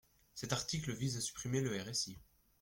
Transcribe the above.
Cet article vise à supprimer le RSI.